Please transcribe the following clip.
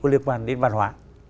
liên quan đến văn hóa